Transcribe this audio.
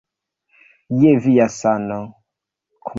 Je via sano.